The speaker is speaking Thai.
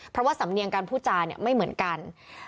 เพราะว่าสำเนียงการพูดจาไม่เหมือนกัน